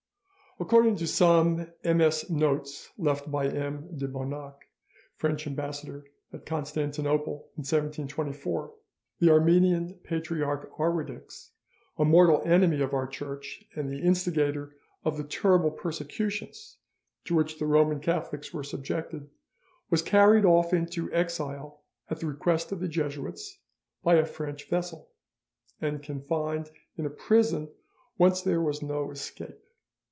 According to some MS. notes left by M. de Bonac, French ambassador at Constantinople in 1724, the Armenian Patriarch Arwedicks, a mortal enemy of our Church and the instigator of the terrible persecutions to which the Roman Catholics were subjected, was carried off into exile at the request of the Jesuits by a French vessel, and confined in a prison whence there was no escape.